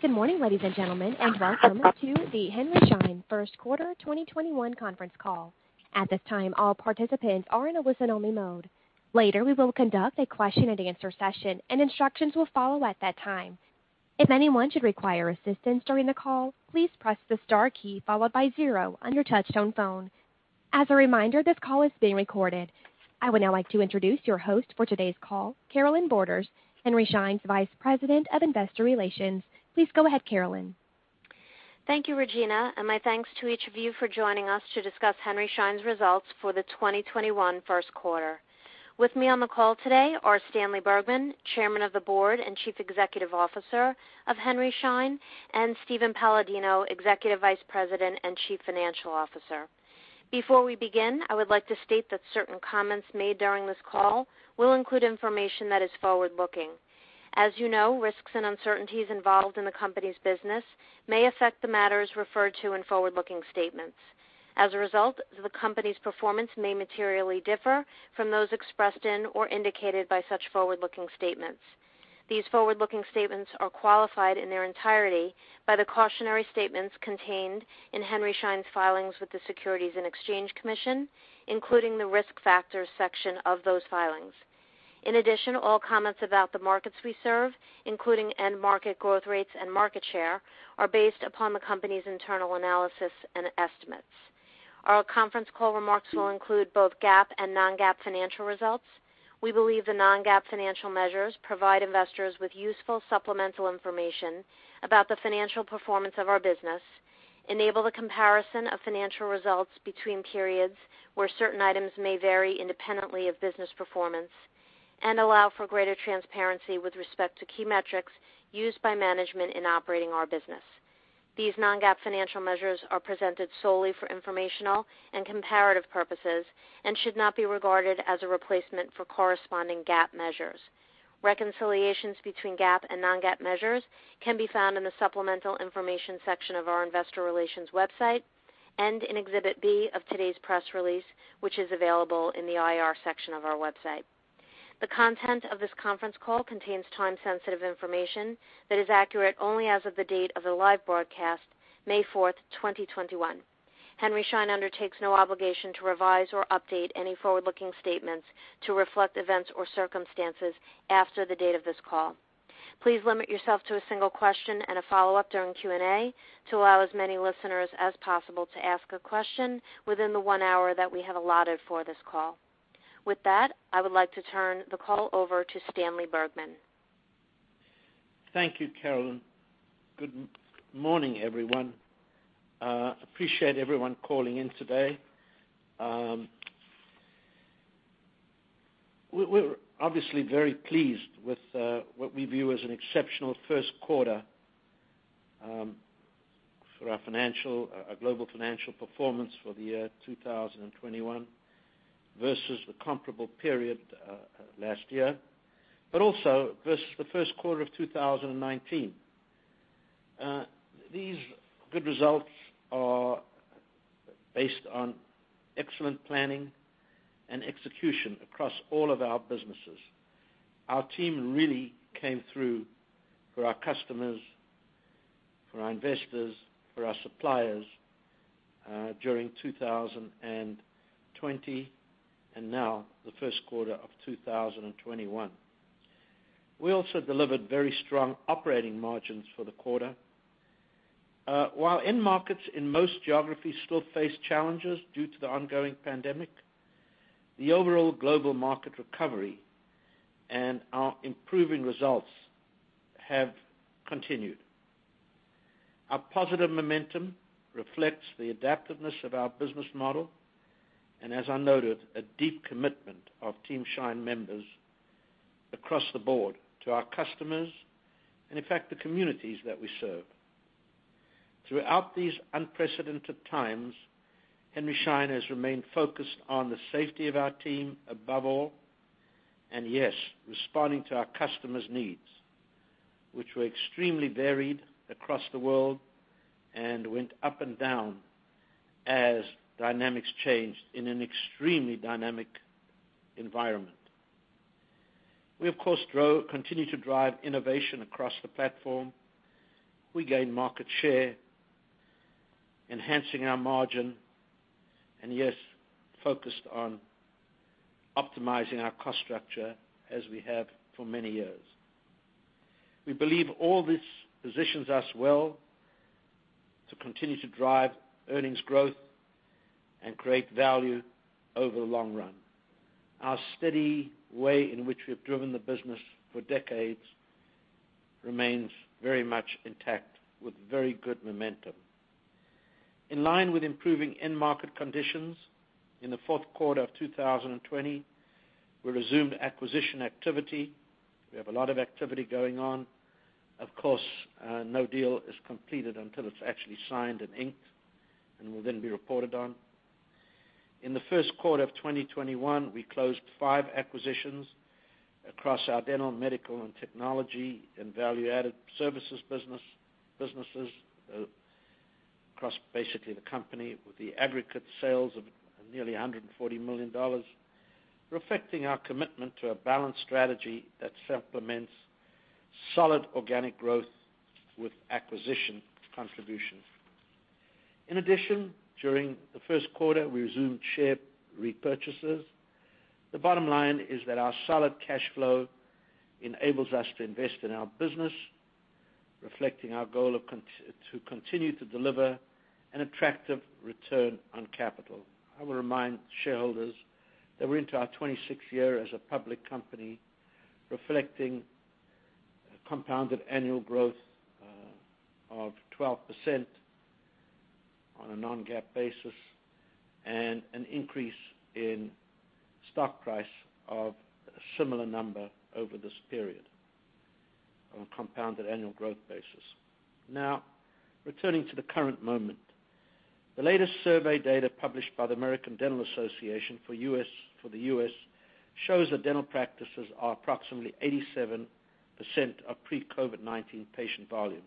Good morning, ladies and gentlemen, and welcome to the Henry Schein first quarter 2021 conference call. At this time, all participants are in a listen-only mode. Later, we will conduct a question-and-answer session, and instructions will follow at that time. If anyone should require assistance during the call, please press the star key followed by zero on your touch-tone phone. As a reminder, this call is being recorded. I would now like to introduce your host for today's call, Carolynne Borders, Henry Schein's Vice President of Investor Relations. Please go ahead, Carolynne. Thank you, Regina, and my thanks to each of you for joining us to discuss Henry Schein's results for the 2021 first quarter. With me on the call today are Stanley Bergman, Chairman of the Board and Chief Executive Officer of Henry Schein, and Steven Paladino, Executive Vice President and Chief Financial Officer. Before we begin, I would like to state that certain comments made during this call will include information that is forward-looking. As you know, risks and uncertainties involved in the company's business may affect the matters referred to in forward-looking statements. As a result, the company's performance may materially differ from those expressed in or indicated by such forward-looking statements. These forward-looking statements are qualified in their entirety by the cautionary statements contained in Henry Schein's filings with the Securities and Exchange Commission, including the Risk Factors section of those filings. In addition, all comments about the markets we serve, including end market growth rates and market share, are based upon the company's internal analysis and estimates. Our conference call remarks will include both GAAP and non-GAAP financial results. We believe the non-GAAP financial measures provide investors with useful supplemental information about the financial performance of our business, enable the comparison of financial results between periods where certain items may vary independently of business performance, and allow for greater transparency with respect to key metrics used by management in operating our business. These non-GAAP financial measures are presented solely for informational and comparative purposes and should not be regarded as a replacement for corresponding GAAP measures. Reconciliations between GAAP and non-GAAP measures can be found in the supplemental information section of our investor relations website and in Exhibit B of today's press release, which is available in the IR section of our website. The content of this conference call contains time-sensitive information that is accurate only as of the date of the live broadcast, May 4th, 2021. Henry Schein undertakes no obligation to revise or update any forward-looking statements to reflect events or circumstances after the date of this call. Please limit yourself to a single question and a follow-up during Q&A to allow as many listeners as possible to ask a question within the one hour that we have allotted for this call. With that, I would like to turn the call over to Stanley Bergman. Thank you, Carolynne. Good morning, everyone. Appreciate everyone calling in today. We're obviously very pleased with what we view as an exceptional first quarter for our global financial performance for the year 2021 versus the comparable period last year, also versus the first quarter of 2019. These good results are based on excellent planning and execution across all of our businesses. Our team really came through for our customers, for our investors, for our suppliers during 2020, now the first quarter of 2021. We also delivered very strong operating margins for the quarter. While end markets in most geographies still face challenges due to the ongoing pandemic, the overall global market recovery and our improving results have continued. Our positive momentum reflects the adaptiveness of our business model, and as I noted, a deep commitment of Team Schein members across the board to our customers, and in fact, the communities that we serve. Throughout these unprecedented times, Henry Schein has remained focused on the safety of our team above all, and yes, responding to our customers' needs, which were extremely varied across the world and went up and down as dynamics changed in an extremely dynamic environment. We, of course, continue to drive innovation across the platform. We gain market share, enhancing our margin, and yes, focused on optimizing our cost structure as we have for many years. We believe all this positions us well to continue to drive earnings growth and create value over the long run. Our steady way in which we've driven the business for decades remains very much intact with very good momentum. In line with improving end market conditions, in the fourth quarter of 2020, we resumed acquisition activity. We have a lot of activity going on. Of course, no deal is completed until it's actually signed and inked and will then be reported on. In the first quarter of 2021, we closed five acquisitions across our dental, medical, and technology and value-added services businesses across basically the company, with the aggregate sales of nearly $140 million, reflecting our commitment to a balanced strategy that supplements solid organic growth with acquisition contributions. In addition, during the first quarter, we resumed share repurchases. The bottom line is that our solid cash flow enables us to invest in our business, reflecting our goal to continue to deliver an attractive return on capital. I will remind shareholders that we're into our 26th year as a public company, reflecting a compounded annual growth of 12% on a non-GAAP basis, and an increase in stock price of a similar number over this period on a compounded annual growth basis. Now, returning to the current moment. The latest survey data published by the American Dental Association for the U.S. shows that dental practices are approximately 87% of pre-COVID patient volume.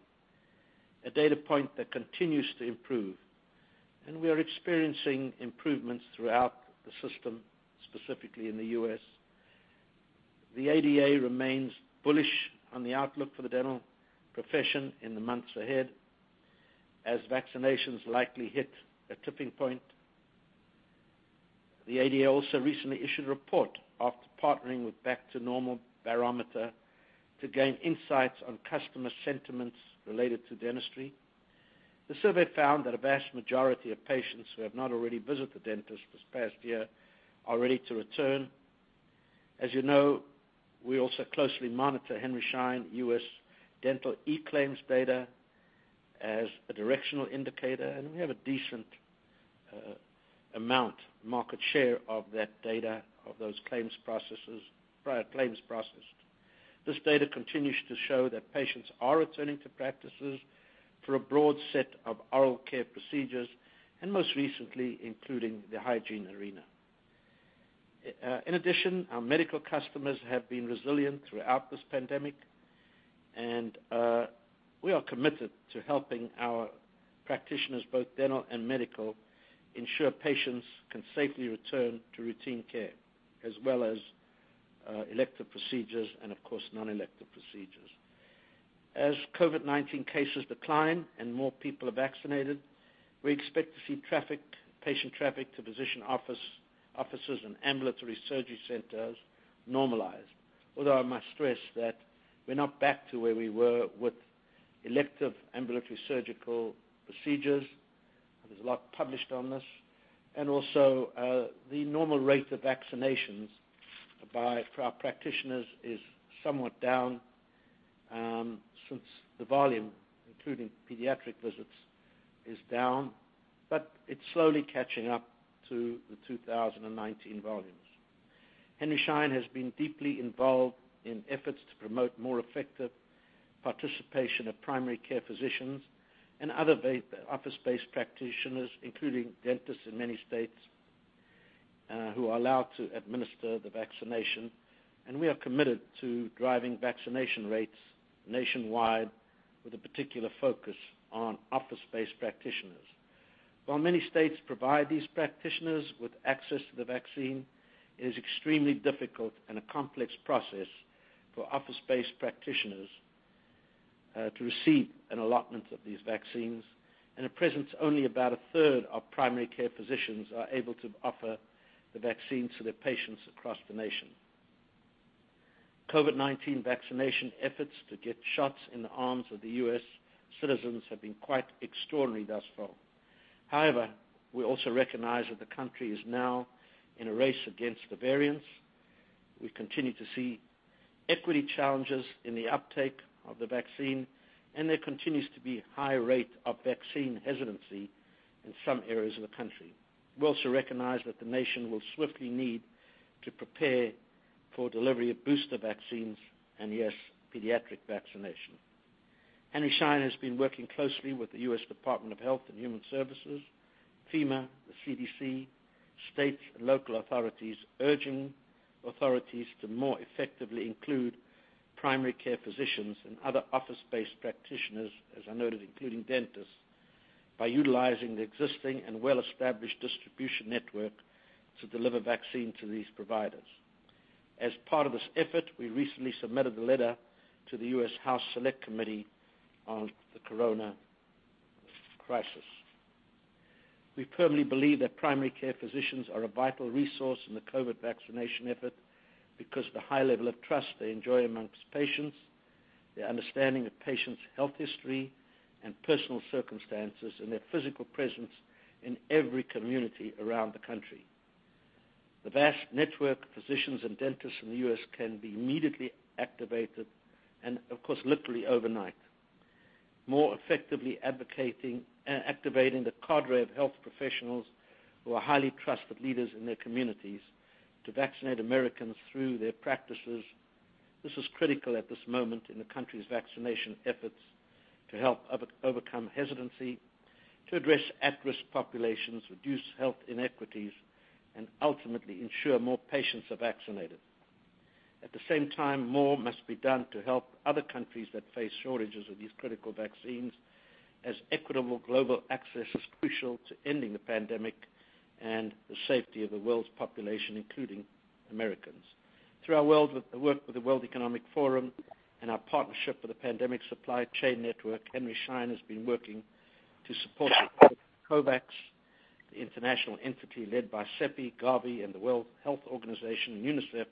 A data point that continues to improve. We are experiencing improvements throughout the system, specifically in the U.S. The ADA remains bullish on the outlook for the dental profession in the months ahead, as vaccinations likely hit a tipping point. The ADA also recently issued a report after partnering with Back to Normal Barometer to gain insights on customer sentiments related to dentistry. The survey found that a vast majority of patients who have not already visited the dentist this past year are ready to return. As you know, we also closely monitor Henry Schein U.S. Dental eClaims data as a directional indicator, and we have a decent amount market share of that data, of those prior claims processed. This data continues to show that patients are returning to practices for a broad set of oral care procedures, and most recently, including the hygiene arena. In addition, our medical customers have been resilient throughout this pandemic, and we are committed to helping our practitioners, both dental and medical, ensure patients can safely return to routine care, as well as elective procedures and, of course, non-elective procedures. As COVID cases decline and more people are vaccinated, we expect to see patient traffic to physician offices and ambulatory surgery centers normalize. I must stress that we're not back to where we were with elective ambulatory surgical procedures. There's a lot published on this. Also, the normal rate of vaccinations by practitioners is somewhat down, since the volume, including pediatric visits, is down. It's slowly catching up to the 2019 volumes. Henry Schein has been deeply involved in efforts to promote more effective participation of primary care physicians and other office-based practitioners, including dentists in many states, who are allowed to administer the vaccination. We are committed to driving vaccination rates nationwide, with a particular focus on office-based practitioners. While many states provide these practitioners with access to the vaccine, it is extremely difficult and a complex process for office-based practitioners to receive an allotment of these vaccines. At present, only about a third of primary care physicians are able to offer the vaccine to their patients across the nation. COVID vaccination efforts to get shots in the arms of the U.S. citizens have been quite extraordinary thus far. However, we also recognize that the country is now in a race against the variants. We continue to see equity challenges in the uptake of the vaccine, and there continues to be a high rate of vaccine hesitancy in some areas of the country. We also recognize that the nation will swiftly need to prepare for delivery of booster vaccines and yes, pediatric vaccination. Henry Schein has been working closely with the U.S. Department of Health and Human Services, FEMA, the CDC, state and local authorities, urging authorities to more effectively include primary care physicians and other office-based practitioners, as I noted, including dentists, by utilizing the existing and well-established distribution network to deliver vaccine to these providers. As part of this effort, we recently submitted a letter to the U.S. House Select Committee on the Corona Crisis. We firmly believe that primary care physicians are a vital resource in the COVID vaccination effort because of the high level of trust they enjoy amongst patients, their understanding of patients' health history and personal circumstances, and their physical presence in every community around the country. The vast network of physicians and dentists in the U.S. can be immediately activated and, of course, literally overnight. More effectively activating the cadre of health professionals, who are highly trusted leaders in their communities, to vaccinate Americans through their practices. This is critical at this moment in the country's vaccination efforts to help overcome hesitancy, to address at-risk populations, reduce health inequities, and ultimately ensure more patients are vaccinated. At the same time, more must be done to help other countries that face shortages of these critical vaccines, as equitable global access is crucial to ending the pandemic and the safety of the world's population, including Americans. Through our work with the World Economic Forum and our partnership with the Pandemic Supply Chain Network, Henry Schein has been working to support the COVAX, the international entity led by CEPI, Gavi and the World Health Organization, and UNICEF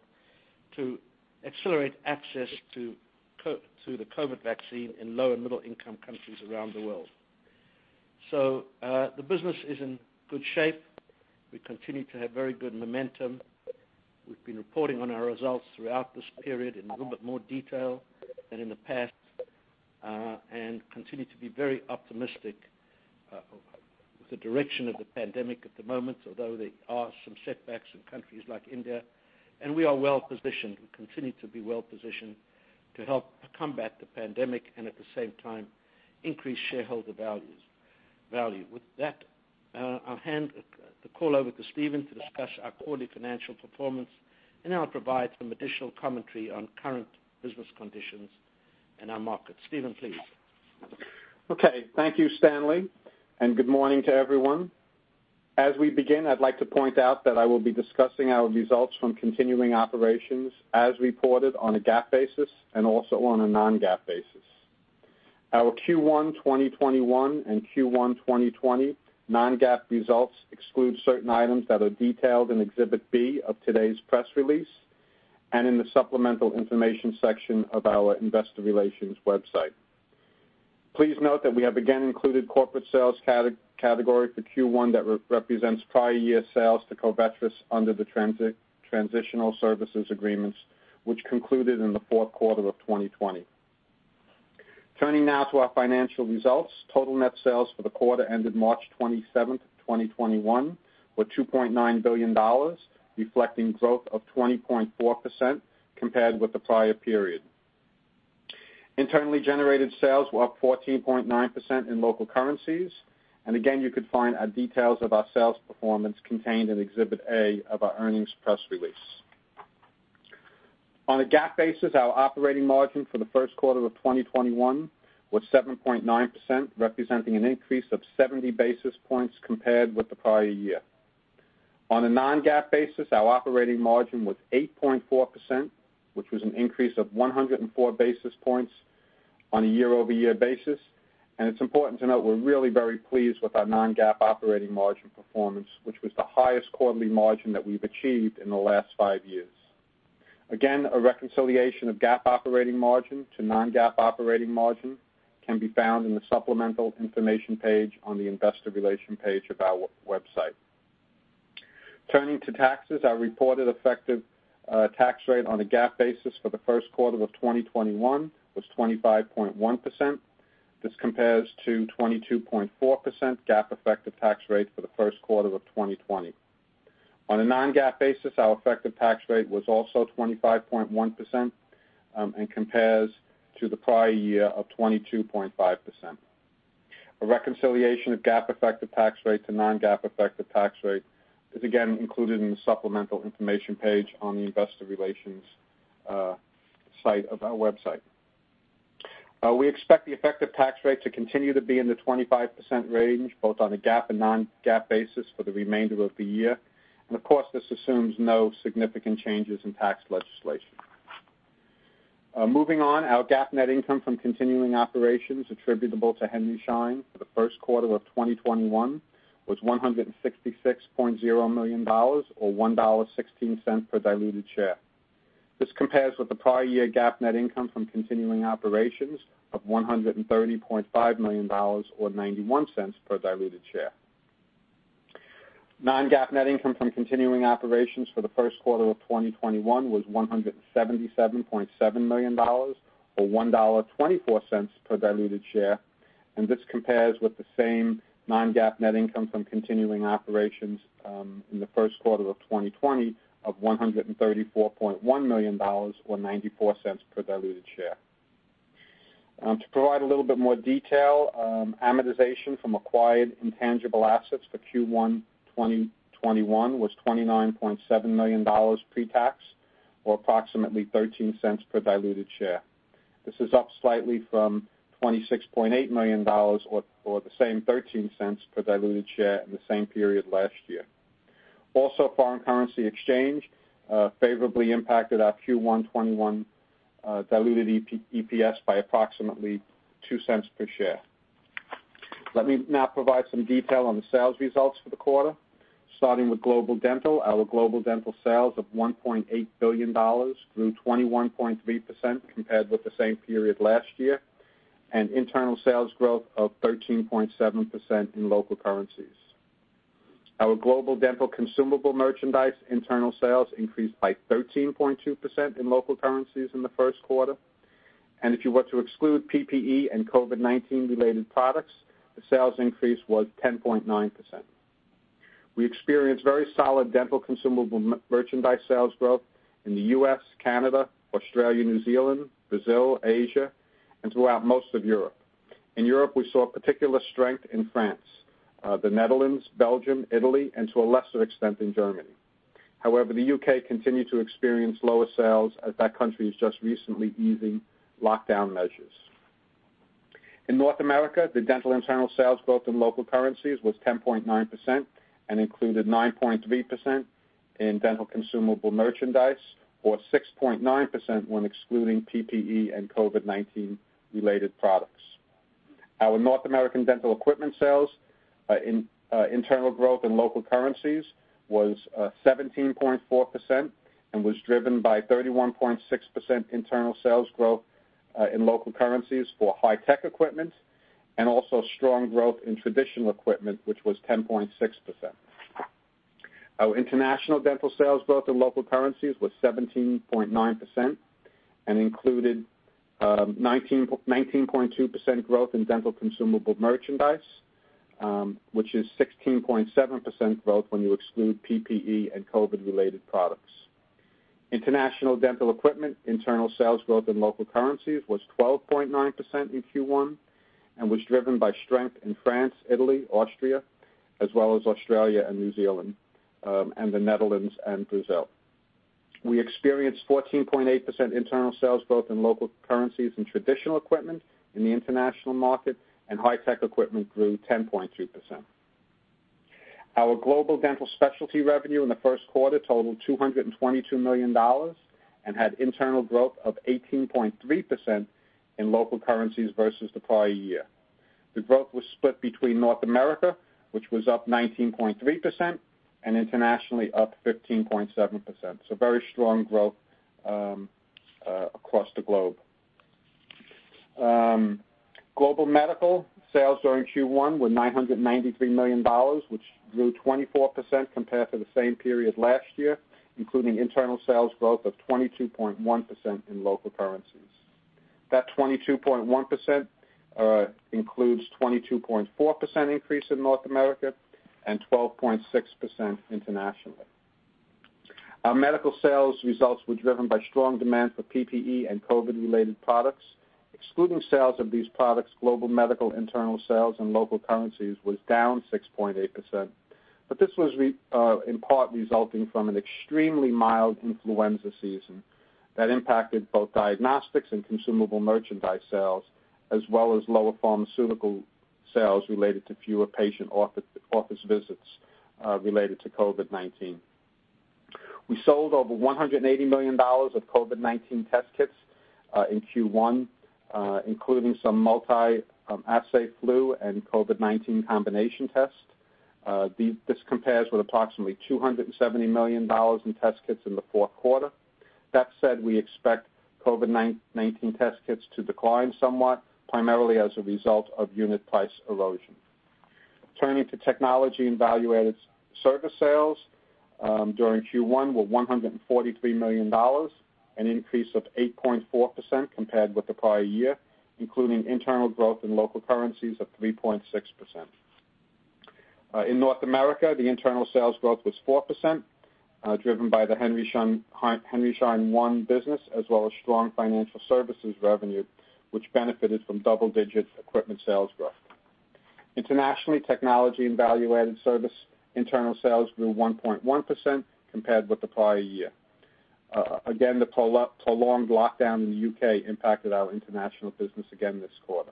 to accelerate access to the COVID vaccine in low and middle-income countries around the world. The business is in good shape. We continue to have very good momentum. We've been reporting on our results throughout this period in a little bit more detail than in the past, and continue to be very optimistic with the direction of the pandemic at the moment, although there are some setbacks in countries like India. We are well positioned. We continue to be well positioned to help combat the pandemic and at the same time increase shareholder value. With that, I'll hand the call over to Steven to discuss our quarterly financial performance, and I'll provide some additional commentary on current business conditions in our markets. Steven, please. Thank you, Stanley, and good morning to everyone. As we begin, I'd like to point out that I will be discussing our results from continuing operations as reported on a GAAP basis and also on a non-GAAP basis. Our Q1 2021 and Q1 2020 non-GAAP results exclude certain items that are detailed in Exhibit B of today's press release, and in the supplemental information section of our investor relations website. Please note that we have again included corporate sales category for Q1 that represents prior year sales to Covetrus under the transitional services agreements, which concluded in the fourth quarter of 2020. Turning now to our financial results. Total net sales for the quarter ended March 27th, 2021, were $2.9 billion, reflecting growth of 20.4% compared with the prior period. Internally generated sales were up 14.9% in local currencies. Again, you could find our details of our sales performance contained in Exhibit A of our earnings press release. On a GAAP basis, our operating margin for the first quarter of 2021 was 7.9%, representing an increase of 70 basis points compared with the prior year. On a non-GAAP basis, our operating margin was 8.4%, which was an increase of 104 basis points on a year-over-year basis. It's important to note we're really very pleased with our non-GAAP operating margin performance, which was the highest quarterly margin that we've achieved in the last five years. Again, a reconciliation of GAAP operating margin to non-GAAP operating margin can be found in the supplemental information page on the Investor Relations page of our website. Turning to taxes, our reported effective tax rate on a GAAP basis for the first quarter of 2021 was 25.1%. This compares to 22.4% GAAP effective tax rate for the first quarter of 2020. On a non-GAAP basis, our effective tax rate was also 25.1%, compares to the prior year of 22.5%. A reconciliation of GAAP effective tax rate to non-GAAP effective tax rate is again included in the supplemental information page on the Investor Relations site of our website. We expect the effective tax rate to continue to be in the 25% range, both on a GAAP and non-GAAP basis for the remainder of the year. Of course, this assumes no significant changes in tax legislation. Moving on, our GAAP net income from continuing operations attributable to Henry Schein for the first quarter of 2021 was $166.0 million, or $1.16 per diluted share. This compares with the prior year GAAP net income from continuing operations of $130.5 million, or $0.91 per diluted share. Non-GAAP net income from continuing operations for the first quarter of 2021 was $177.7 million, or $1.24 per diluted share. This compares with the same non-GAAP net income from continuing operations in the first quarter of 2020 of $134.1 million, or $0.94 per diluted share. To provide a little bit more detail, amortization from acquired intangible assets for Q1 2021 was $29.7 million pre-tax, or approximately $0.13 per diluted share. This is up slightly from $26.8 million, or the same $0.13 per diluted share in the same period last year. Also, foreign currency exchange favorably impacted our Q1 2021 diluted EPS by approximately $0.02 per share. Let me now provide some detail on the sales results for the quarter. Starting with global dental, our global dental sales of $1.8 billion grew 21.3% compared with the same period last year, and internal sales growth of 13.7% in local currencies. Our global dental consumable merchandise internal sales increased by 13.2% in local currencies in the first quarter. If you were to exclude PPE and COVID-19 related products, the sales increase was 10.9%. We experienced very solid dental consumable merchandise sales growth in the U.S., Canada, Australia, New Zealand, Brazil, Asia, and throughout most of Europe. In Europe, we saw particular strength in France, the Netherlands, Belgium, Italy, and to a lesser extent, in Germany. However, the U.K. continued to experience lower sales as that country is just recently easing lockdown measures. In North America, the dental internal sales growth in local currencies was 10.9% and included 9.3% in dental consumable merchandise or 6.9% when excluding PPE and COVID-19 related products. Our North American dental equipment sales internal growth in local currencies was 17.4% and was driven by 31.6% internal sales growth in local currencies for high-tech equipment and also strong growth in traditional equipment, which was 10.6%. Our international dental sales growth in local currencies was 17.9% and included 19.2% growth in dental consumable merchandise, which is 16.7% growth when you exclude PPE and COVID related products. International dental equipment internal sales growth in local currencies was 12.9% in Q1 and was driven by strength in France, Italy, Austria, as well as Australia and New Zealand, and the Netherlands and Brazil. We experienced 14.8% internal sales growth in local currencies in traditional equipment in the international market, and high-tech equipment grew 10.3%. Our global dental specialty revenue in the first quarter totaled $222 million and had internal growth of 18.3% in local currencies versus the prior year. The growth was split between North America, which was up 19.3%, and internationally up 15.7%. Very strong growth across the globe. Global medical sales during Q1 were $993 million, which grew 24% compared to the same period last year, including internal sales growth of 22.1% in local currencies. That 22.1% includes 22.4% increase in North America and 12.6% internationally. Our medical sales results were driven by strong demand for PPE and COVID related products. Excluding sales of these products, global medical internal sales in local currencies was down 6.8%, this was in part resulting from an extremely mild influenza season that impacted both diagnostics and consumable merchandise sales, as well as lower pharmaceutical sales related to fewer patient office visits related to COVID-19. We sold over $180 million of COVID-19 test kits in Q1, including some multi-assay flu and COVID-19 combination tests. This compares with approximately $270 million in test kits in the fourth quarter. That said, we expect COVID-19 test kits to decline somewhat, primarily as a result of unit price erosion. Turning to technology and value-added service sales during Q1 were $143 million, an increase of 8.4% compared with the prior year, including internal growth in local currencies of 3.6%. In North America, the internal sales growth was 4%, driven by the Henry Schein One business, as well as strong financial services revenue, which benefited from double-digit equipment sales growth. Internationally, technology and value-added service internal sales grew 1.1% compared with the prior year. Again, the prolonged lockdown in the U.K. impacted our international business again this quarter.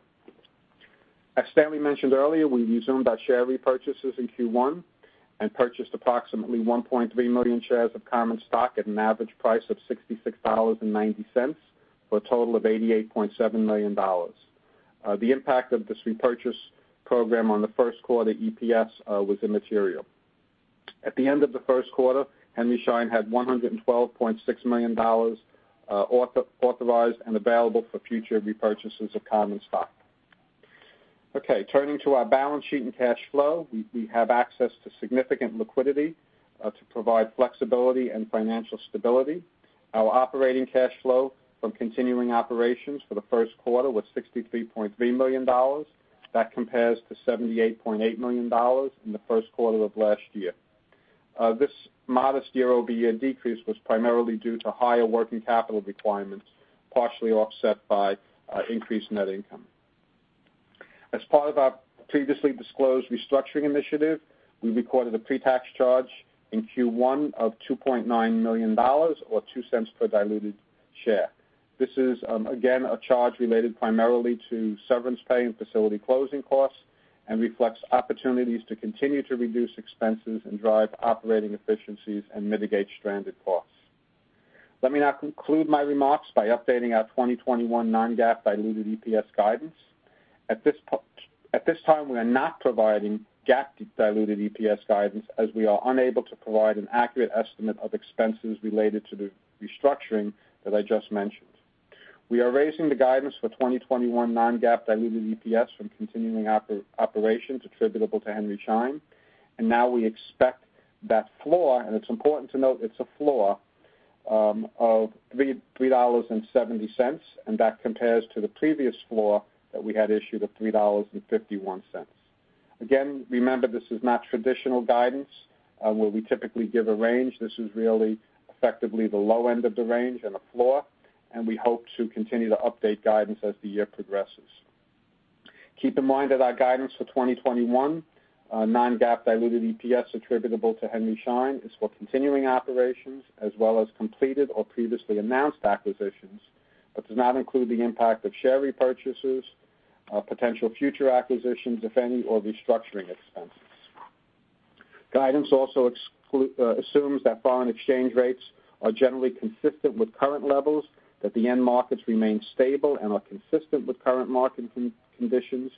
As Stanley mentioned earlier, we resumed our share repurchases in Q1 and purchased approximately 1.3 million shares of common stock at an average price of $66.90, for a total of $88.7 million. The impact of this repurchase program on the first quarter EPS was immaterial. At the end of the first quarter, Henry Schein had $112.6 million authorized and available for future repurchases of common stock. Turning to our balance sheet and cash flow. We have access to significant liquidity to provide flexibility and financial stability. Our operating cash flow from continuing operations for the first quarter was $63.3 million. That compares to $78.8 million in the first quarter of last year. This modest year-over-year decrease was primarily due to higher working capital requirements, partially offset by increased net income. As part of our previously disclosed restructuring initiative, we recorded a pre-tax charge in Q1 of $2.9 million or $0.02 per diluted share. This is, again, a charge related primarily to severance pay and facility closing costs and reflects opportunities to continue to reduce expenses and drive operating efficiencies and mitigate stranded costs. Let me now conclude my remarks by updating our 2021 non-GAAP diluted EPS guidance. At this time, we are not providing GAAP diluted EPS guidance as we are unable to provide an accurate estimate of expenses related to the restructuring that I just mentioned. Now we expect that floor, and it's important to note it's a floor, of $3.70, and that compares to the previous floor that we had issued of $3.51. Again, remember, this is not traditional guidance, where we typically give a range. This is really effectively the low end of the range and a floor, and we hope to continue to update guidance as the year progresses. Keep in mind that our guidance for 2021, non-GAAP diluted EPS attributable to Henry Schein, is for continuing operations as well as completed or previously announced acquisitions, but does not include the impact of share repurchases, potential future acquisitions, if any, or restructuring expenses. Guidance also assumes that foreign exchange rates are generally consistent with current levels, that the end markets remain stable and are consistent with current market conditions,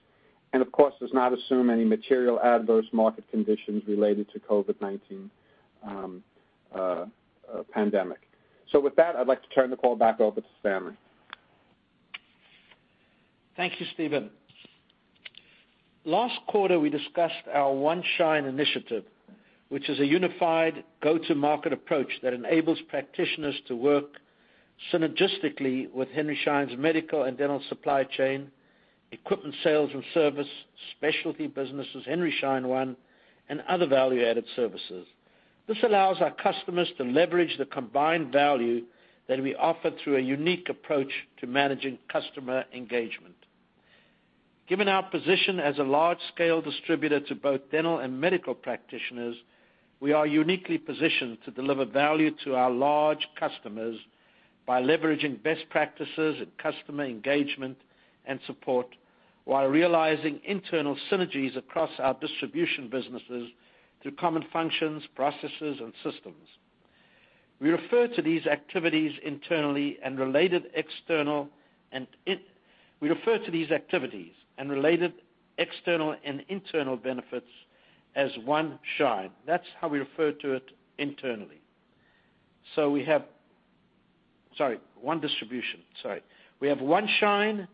and of course, does not assume any material adverse market conditions related to COVID-19 pandemic. With that, I'd like to turn the call back over to Stanley. Thank you, Steven. Last quarter, we discussed our One Schein initiative, which is a unified go-to-market approach that enables practitioners to work synergistically with Henry Schein's medical and dental supply chain, equipment sales and service, specialty businesses, Henry Schein One, and other value-added services. This allows our customers to leverage the combined value that we offer through a unique approach to managing customer engagement. Given our position as a large-scale distributor to both dental and medical practitioners, we are uniquely positioned to deliver value to our large customers by leveraging best practices in customer engagement and support, while realizing internal synergies across our distribution businesses through common functions, processes, and systems. We refer to these activities and related external and internal benefits as One Schein. That's how we refer to it internally. We have Sorry, One Distribution, sorry. We have One Schein,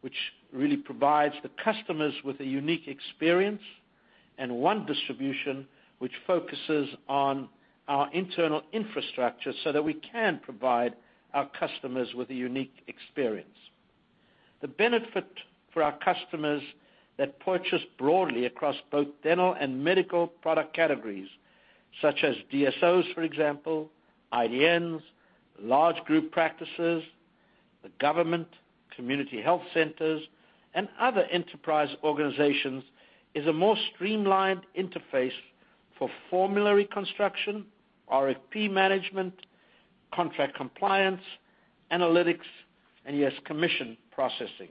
which really provides the customers with a unique experience, and One Distribution, which focuses on our internal infrastructure so that we can provide our customers with a unique experience. The benefit for our customers that purchase broadly across both dental and medical product categories, such as DSOs, for example, IDNs, large group practices, the government, community health centers, and other enterprise organizations, is a more streamlined interface for formulary construction, RFP management, contract compliance, analytics, and yes, commission processing.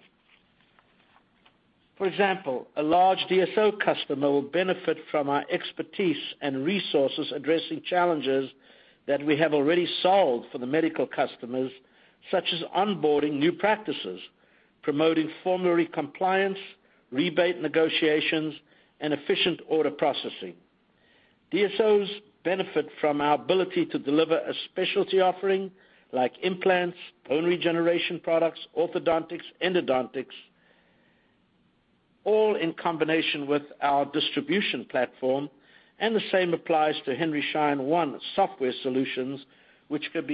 For example, a large DSO customer will benefit from our expertise and resources addressing challenges that we have already solved for the medical customers, such as onboarding new practices, promoting formulary compliance, rebate negotiations, and efficient order processing. DSOs benefit from our ability to deliver a specialty offering like implants, bone regeneration products, orthodontics, endodontics, all in combination with our distribution platform, and the same applies to Henry Schein One software solutions, which can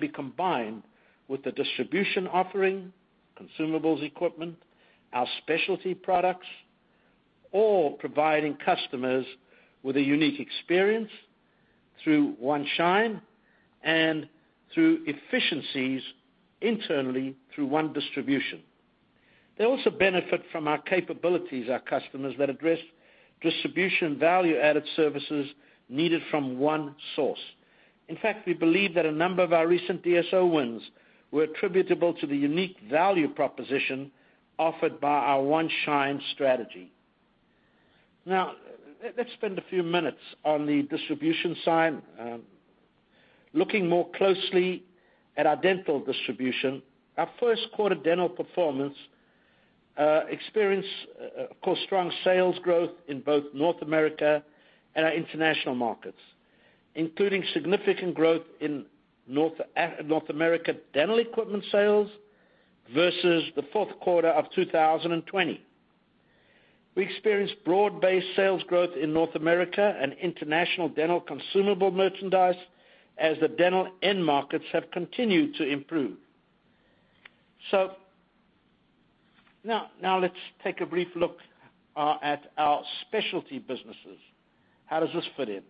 be combined with the distribution offering, consumables equipment, our specialty products, all providing customers with a unique experience through One Schein and through efficiencies internally through One Distribution. They also benefit from our capabilities, our customers, that address distribution value-added services needed from one source. We believe that a number of our recent DSO wins were attributable to the unique value proposition offered by our One Schein strategy. Let's spend a few minutes on the distribution side. Looking more closely at our dental distribution, our first quarter dental performance experienced, of course, strong sales growth in both North America and our international markets, including significant growth in North America dental equipment sales versus the fourth quarter of 2020. We experienced broad-based sales growth in North America and international dental consumable merchandise as the dental end markets have continued to improve. Now, let's take a brief look at our specialty businesses. How does this fit in?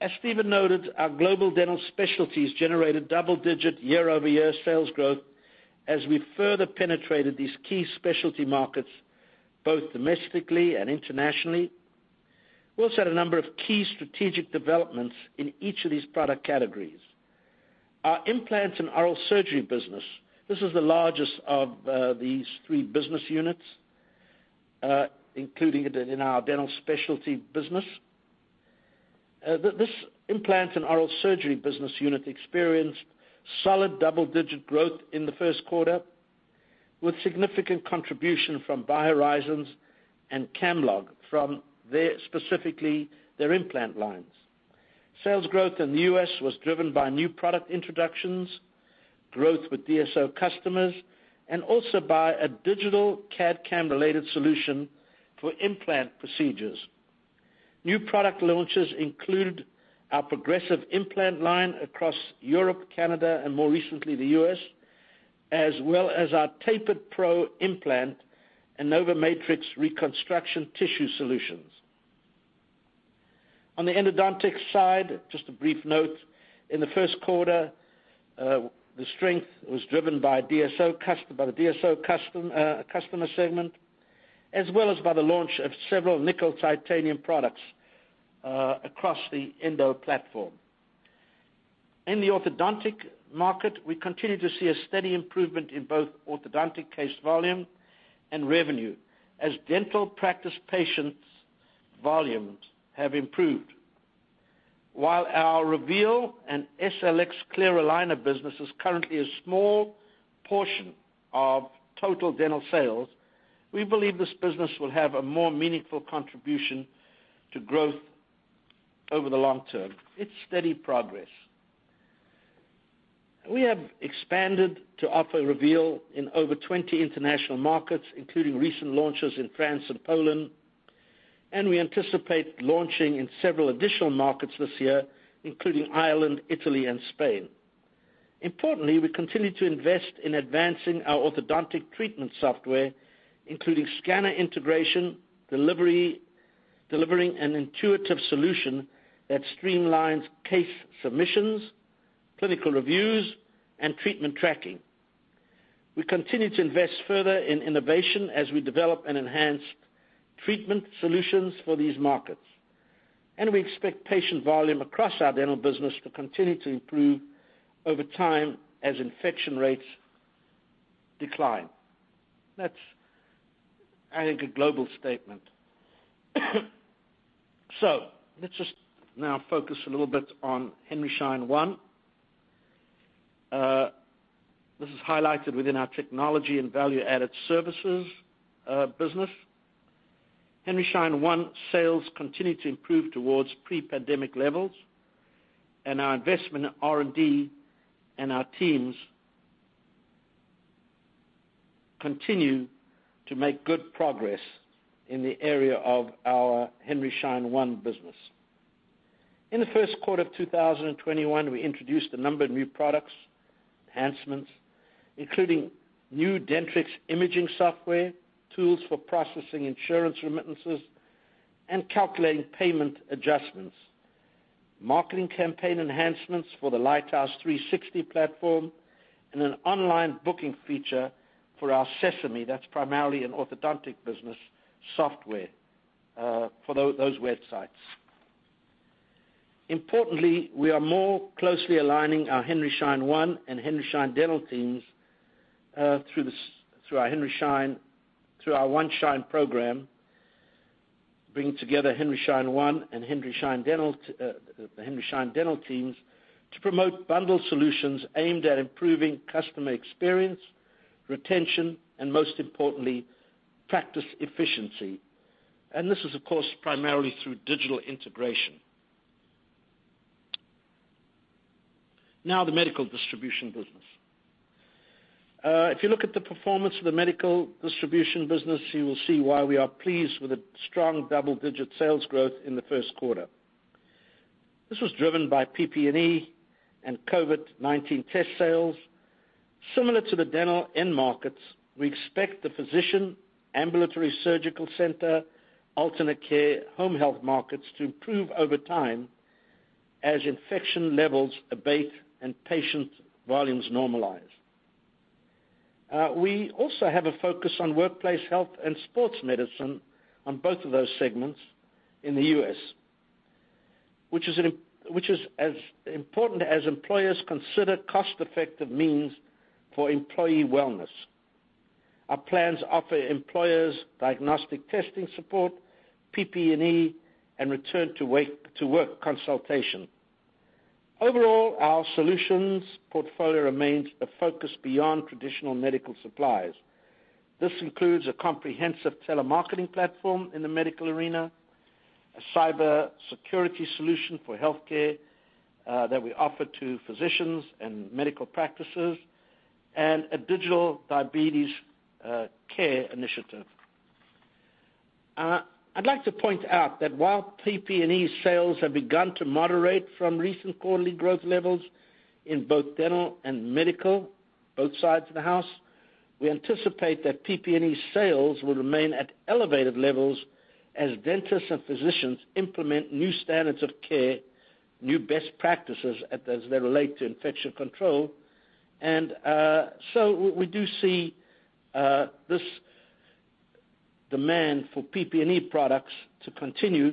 As Steven noted, our global dental specialties generated double-digit year-over-year sales growth as we further penetrated these key specialty markets, both domestically and internationally. We also had a number of key strategic developments in each of these product categories. Our implants and oral surgery business, this is the largest of these three business units, including in our dental specialty business. This implant and oral surgery business unit experienced solid double-digit growth in the first quarter with significant contribution from BioHorizons and Camlog from, specifically, their implant lines. Sales growth in the U.S. was driven by new product introductions, growth with DSO customers, and also by a digital CAD/CAM-related solution for implant procedures. New product launches include our progressive implant line across Europe, Canada, and more recently, the U.S., as well as our Tapered Pro implant and NovoMatrix reconstruction tissue solutions. On the endodontic side, just a brief note. In the first quarter, the strength was driven by the DSO customer segment, as well as by the launch of several nickel titanium products across the Endo platform. In the orthodontic market, we continue to see a steady improvement in both orthodontic case volume and revenue as dental practice patients volumes have improved. While our Reveal and SLX clear aligner business is currently a small portion of total dental sales, we believe this business will have a more meaningful contribution to growth over the long term. It's steady progress. We have expanded to offer Reveal in over 20 international markets, including recent launches in France and Poland, and we anticipate launching in several additional markets this year, including Ireland, Italy, and Spain. Importantly, we continue to invest in advancing our orthodontic treatment software, including scanner integration, delivering an intuitive solution that streamlines case submissions, clinical reviews, and treatment tracking. We continue to invest further in innovation as we develop and enhance treatment solutions for these markets. We expect patient volume across our dental business to continue to improve over time as infection rates decline. That's, I think, a global statement. Let's just now focus a little bit on Henry Schein One. This is highlighted within our technology and value-added services business. Henry Schein One sales continue to improve towards pre-pandemic levels, and our investment in R&D and our teams continue to make good progress in the area of our Henry Schein One business. In the first quarter of 2021, we introduced a number of new products, enhancements, including new Dentrix imaging software, tools for processing insurance remittances, and calculating payment adjustments, marketing campaign enhancements for the Lighthouse 360 platform, and an online booking feature for our Sesame, that's primarily an orthodontic business, software for those websites. Importantly, we are more closely aligning our Henry Schein One and Henry Schein dental teams through our One Schein program, bringing together Henry Schein One and the Henry Schein dental teams to promote bundled solutions aimed at improving customer experience, retention, and most importantly, practice efficiency. This is of course, primarily through digital integration. Now, the medical distribution business. If you look at the performance of the medical distribution business, you will see why we are pleased with the strong double-digit sales growth in the first quarter. This was driven by PP&E and COVID-19 test sales. Similar to the dental end markets, we expect the physician, ambulatory surgical center, alternate care, home health markets to improve over time as infection levels abate and patient volumes normalize. We also have a focus on workplace health and sports medicine on both of those segments in the U.S., which is as important as employers consider cost-effective means for employee wellness. Our plans offer employers diagnostic testing support, PP&E, and return-to-work consultation. Overall, our solutions portfolio remains a focus beyond traditional medical supplies. This includes a comprehensive telemarketing platform in the medical arena, a cybersecurity solution for healthcare that we offer to physicians and medical practices, and a digital diabetes care initiative. I'd like to point out that while PP&E sales have begun to moderate from recent quarterly growth levels in both dental and medical, both sides of the house, we anticipate that PP&E sales will remain at elevated levels as dentists and physicians implement new standards of care, new best practices as they relate to infection control. We do see this demand for PP&E products to continue,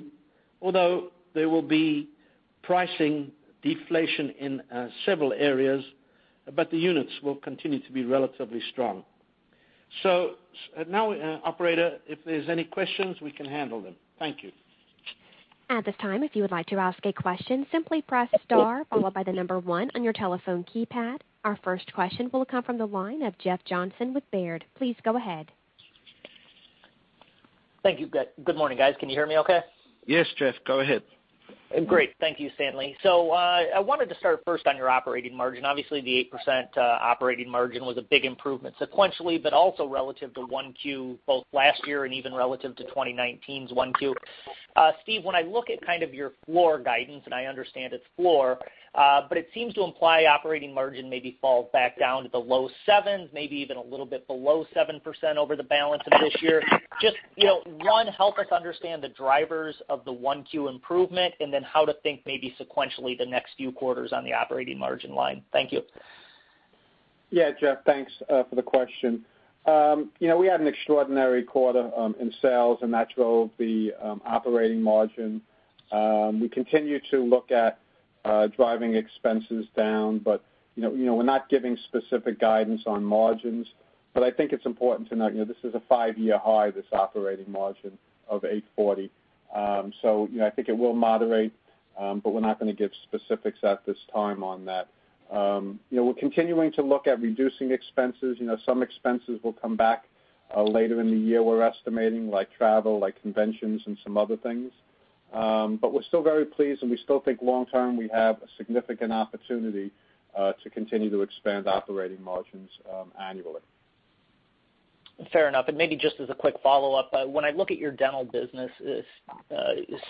although there will be pricing deflation in several areas, but the units will continue to be relatively strong. Now, operator, if there's any questions, we can handle them. Thank you. At this time, if you would like to ask a question, simply press star followed by the number one on your telephone keypad. Our first question will come from the line of Jeff Johnson with Baird. Please go ahead. Thank you. Good morning, guys. Can you hear me okay? Yes, Jeff, go ahead. Great. Thank you, Stanley. I wanted to start first on your operating margin. Obviously, the 8% operating margin was a big improvement sequentially, but also relative to 1Q, both last year and even relative to 2019's 1Q. Steve, when I look at kind of your floor guidance, and I understand it's floor, but it seems to imply operating margin maybe falls back down to the low sevens, maybe even a little bit below 7% over the balance of this year. Just, one, help us understand the drivers of the 1Q improvement and then how to think maybe sequentially the next few quarters on the operating margin line. Thank you. Yeah. Jeff, thanks for the question. We had an extraordinary quarter in sales and that drove the operating margin. We continue to look at driving expenses down, but we're not giving specific guidance on margins, but I think it's important to note, this is a five-year high, this operating margin of 8.40%. I think it will moderate, but we're not going to give specifics at this time on that. We're continuing to look at reducing expenses. Some expenses will come back later in the year, we're estimating, like travel, like conventions and some other things. We're still very pleased and we still think long-term, we have a significant opportunity to continue to expand operating margins annually. Fair enough. Maybe just as a quick follow-up, when I look at your dental business,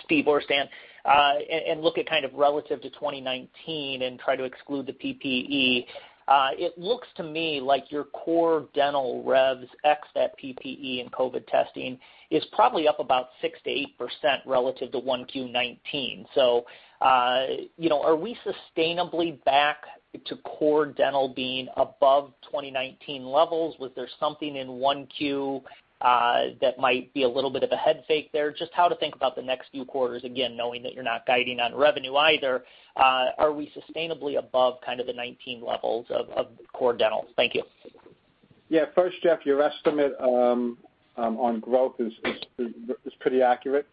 Steve or Stan, and look at kind of relative to 2019 and try to exclude the PPE, it looks to me like your core dental revs ex that PPE and COVID testing is probably up about 6%-8% relative to 1Q 2019. Are we sustainably back to core dental being above 2019 levels? Was there something in 1Q that might be a little bit of a head fake there? Just how to think about the next few quarters, again, knowing that you're not guiding on revenue either, are we sustainably above kind of the 2019 levels of core dental? Thank you. First, Jeff, your estimate on growth is pretty accurate,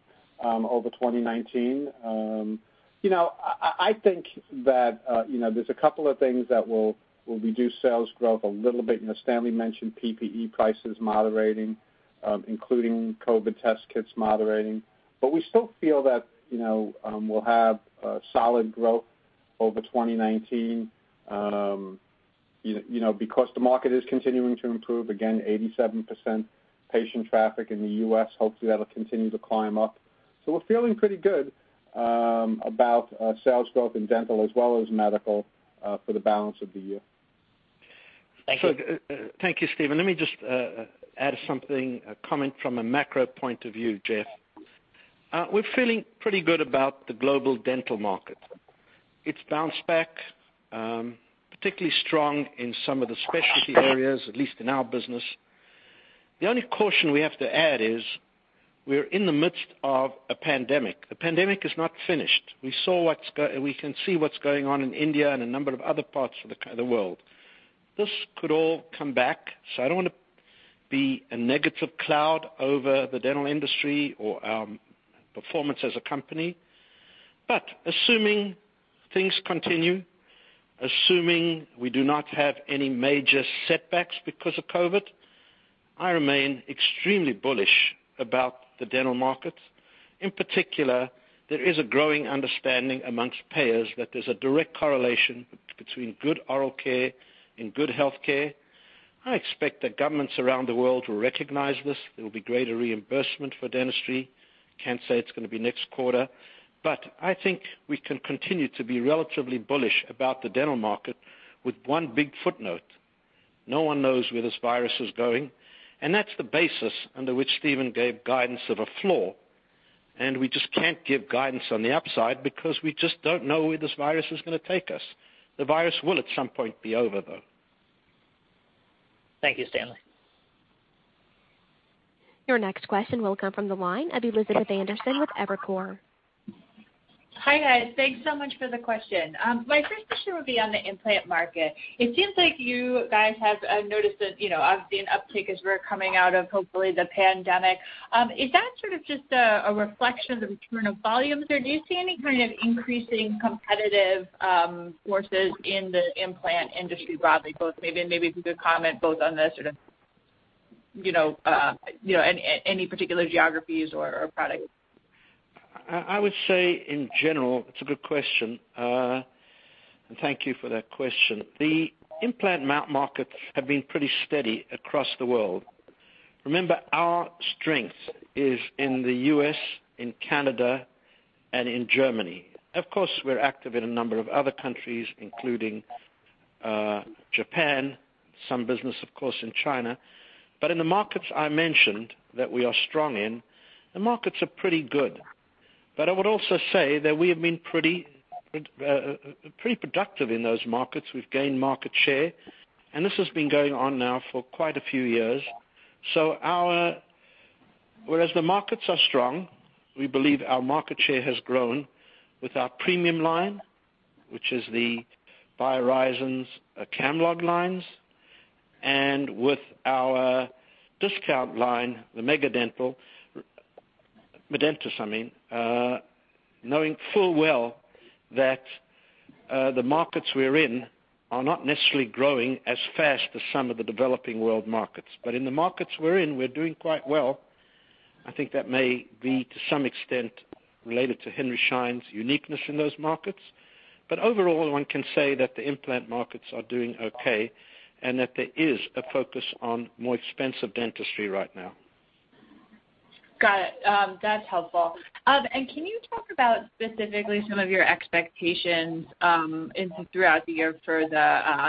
over 2019. I think that there's a couple of things that will reduce sales growth a little bit. Stanley mentioned PPE prices moderating, including COVID test kits moderating. We still feel that we'll have solid growth over 2019, because the market is continuing to improve. Again, 87% patient traffic in the U.S., hopefully that'll continue to climb up. We're feeling pretty good about sales growth in dental as well as medical, for the balance of the year. Thank you. Thank you, Steven. Let me just add something, a comment from a macro point of view, Jeff. We're feeling pretty good about the global dental market. It's bounced back, particularly strong in some of the specialty areas, at least in our business. The only caution we have to add is, we are in the midst of a pandemic. The pandemic is not finished. We can see what's going on in India and a number of other parts of the world. This could all come back, so I don't want to be a negative cloud over the dental industry or our performance as a company. Assuming things continue, assuming we do not have any major setbacks because of COVID, I remain extremely bullish about the dental market. In particular, there is a growing understanding amongst payers that there's a direct correlation between good oral care and good healthcare. I expect that governments around the world will recognize this. There will be greater reimbursement for dentistry. Can't say it's going to be next quarter, but I think we can continue to be relatively bullish about the dental market with one big footnote. No one knows where this virus is going, and that's the basis under which Steven gave guidance of a floor, and we just can't give guidance on the upside because we just don't know where this virus is going to take us. The virus will at some point be over, though. Thank you, Stanley. Your next question will come from the line of Elizabeth Anderson with Evercore. Hi, guys. Thanks so much for the question. My first question will be on the implant market. It seems like you guys have noticed that, obviously an uptick as we're coming out of hopefully the pandemic. Is that sort of just a reflection of return of volumes, or do you see any kind of increasing competitive forces in the implant industry broadly? Both maybe if you could comment both on the sort of any particular geographies or products. I would say in general, it's a good question. Thank you for that question. The implant market have been pretty steady across the world. Remember, our strength is in the U.S., in Canada, and in Germany. Of course, we're active in a number of other countries, including Japan. Some business, of course, in China. In the markets I mentioned that we are strong in, the markets are pretty good. I would also say that we have been pretty productive in those markets. We've gained market share, and this has been going on now for quite a few years. Whereas the markets are strong, we believe our market share has grown with our premium line, which is the BioHorizons, Camlog lines, and with our discount line, [MegaDental], I mean, knowing full well that the markets we're in are not necessarily growing as fast as some of the developing world markets. In the markets we're in, we're doing quite well. I think that may be, to some extent, related to Henry Schein's uniqueness in those markets. Overall, one can say that the implant markets are doing okay, and that there is a focus on more expensive dentistry right now. Got it. That's helpful. Can you talk about specifically some of your expectations throughout the year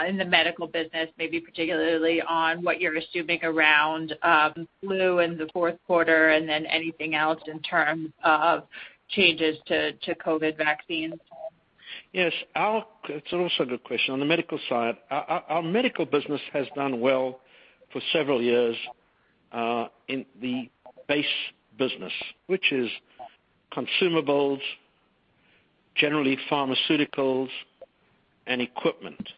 in the medical business, maybe particularly on what you're assuming around flu in the fourth quarter, and then anything else in terms of changes to COVID vaccines? Yes. It's also a good question. On the medical side, our medical business has done well for several years, in the base business, which is consumables, generally pharmaceuticals and equipment.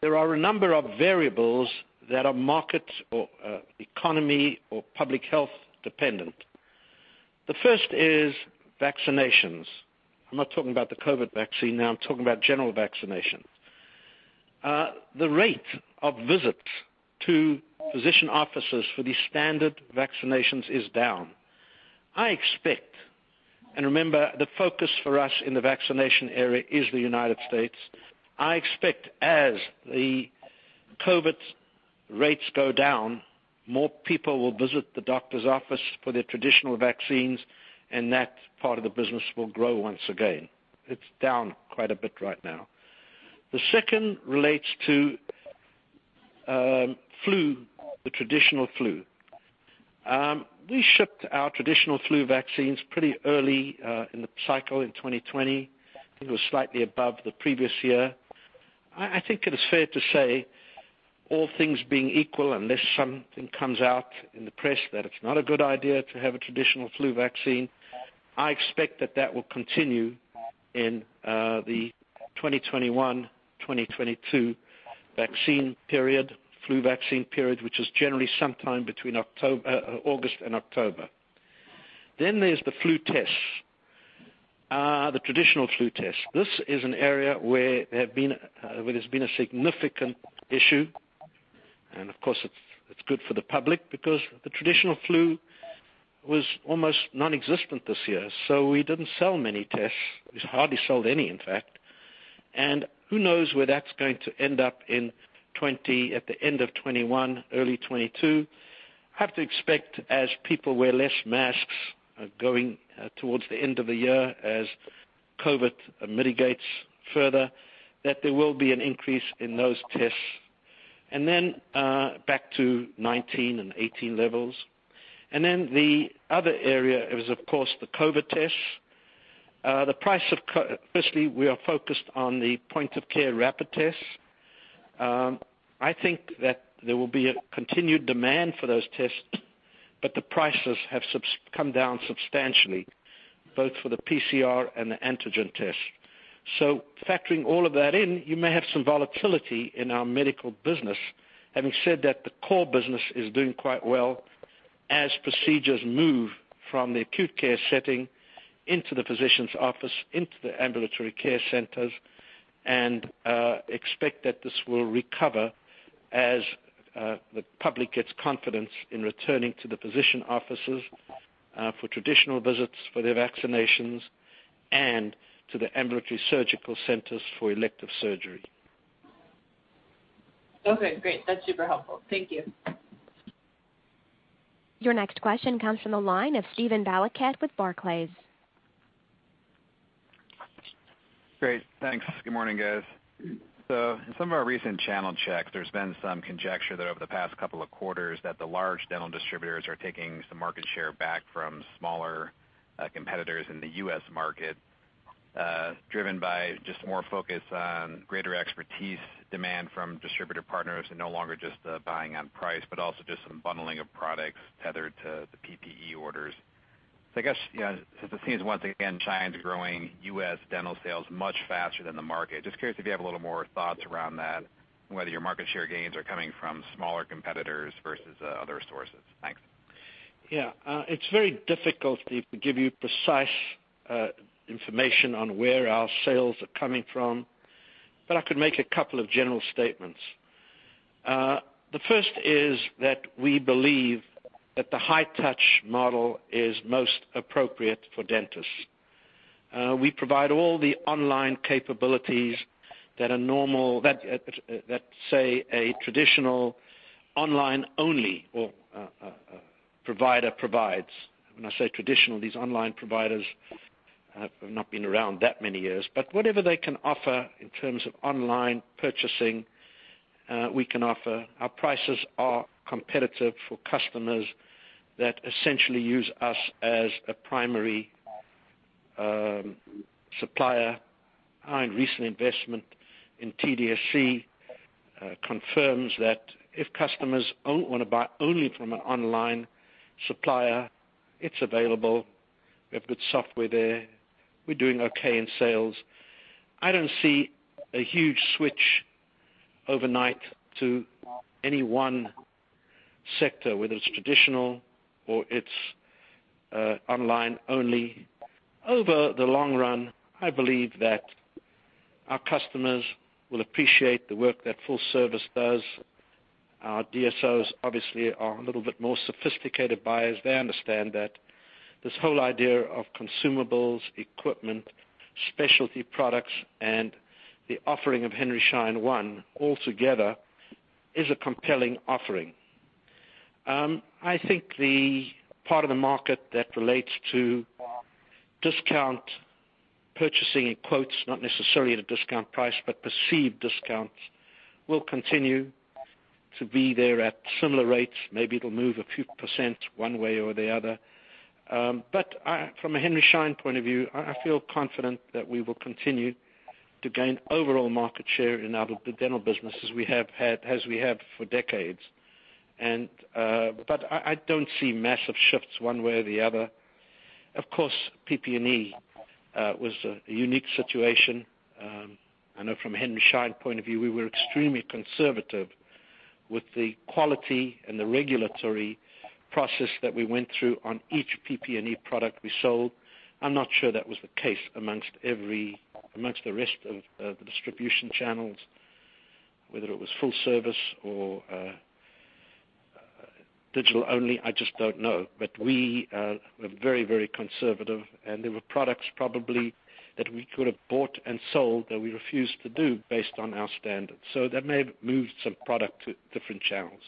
There are a number of variables that are market or economy or public health dependent. The first is vaccinations. I'm not talking about the COVID vaccine now, I'm talking about general vaccination. The rate of visits to physician offices for these standard vaccinations is down. I expect, and remember, the focus for us in the vaccination area is the U.S. I expect as the COVID rates go down, more people will visit the doctor's office for their traditional vaccines, and that part of the business will grow once again. It's down quite a bit right now. The second relates to flu, the traditional flu. We shipped our traditional flu vaccines pretty early, in the cycle in 2020. I think it was slightly above the previous year. I think it is fair to say, all things being equal, unless something comes out in the press that it's not a good idea to have a traditional flu vaccine, I expect that that will continue in the 2021/2022 vaccine period, flu vaccine period, which is generally sometime between August and October. There's the flu tests, the traditional flu tests. This is an area where there's been a significant issue, and of course, it's good for the public because the traditional flu was almost nonexistent this year. We didn't sell many tests. We hardly sold any, in fact. Who knows where that's going to end up at the end of 2021, early 2022. I have to expect, as people wear less masks, going towards the end of the year as COVID mitigates further, that there will be an increase in those tests. Then, back to 2019 and 2018 levels. Then the other area is, of course, the COVID tests. Firstly, we are focused on the point-of-care rapid tests. I think that there will be a continued demand for those tests, but the prices have come down substantially, both for the PCR and the antigen tests. Factoring all of that in, you may have some volatility in our medical business. Having said that, the core business is doing quite well as procedures move from the acute care setting into the physician's office, into the ambulatory care centers, and expect that this will recover as the public gets confidence in returning to the physician offices, for traditional visits, for their vaccinations, and to the ambulatory surgical centers for elective surgery. Okay, great. That's super helpful. Thank you. Your next question comes from the line of Steven Valiquette with Barclays. Great, thanks. Good morning, guys. In some of our recent channel checks, there's been some conjecture that over the past couple of quarters, that the large dental distributors are taking some market share back from smaller competitors in the U.S. market, driven by just more focus on greater expertise demand from distributor partners and no longer just buying on price, but also just some bundling of products tethered to the PPE orders. I guess, since it seems once again, Schein's growing U.S. dental sales much faster than the market. Just curious if you have a little more thoughts around that, whether your market share gains are coming from smaller competitors versus other sources. Thanks. Yeah. It's very difficult, Steve, to give you precise information on where our sales are coming from, but I could make a couple of general statements. The first is that we believe that the high touch model is most appropriate for dentists. We provide all the online capabilities that say, a traditional online only or provider provides. When I say traditional, these online providers have not been around that many years. Whatever they can offer in terms of online purchasing, we can offer. Our prices are competitive for customers that essentially use us as a primary supplier. Our recent investment in TDSC confirms that if customers want to buy only from an online supplier, it's available. We have good software there. We're doing okay in sales. I don't see a huge switch overnight to any one sector, whether it's traditional or it's online only. Over the long run, I believe that our customers will appreciate the work that full service does. Our DSOs, obviously, are a little bit more sophisticated buyers. They understand that this whole idea of consumables, equipment, specialty products, and the offering of Henry Schein One altogether is a compelling offering. I think the part of the market that relates to discount purchasing in quotes, not necessarily at a discount price, but perceived discounts, will continue to be there at similar rates. Maybe it'll move a few % one way or the other. From a Henry Schein point of view, I feel confident that we will continue to gain overall market share in our dental business as we have for decades. I don't see massive shifts one way or the other. Of course, PP&E was a unique situation. I know from Henry Schein point of view, we were extremely conservative with the quality and the regulatory process that we went through on each PP&E product we sold. I'm not sure that was the case amongst the rest of the distribution channels, whether it was full service or digital only, I just don't know. We were very conservative, and there were products probably that we could have bought and sold that we refused to do based on our standards. That may have moved some product to different channels.